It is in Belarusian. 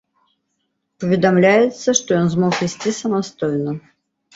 Паведамляецца, што ён змог ісці самастойна.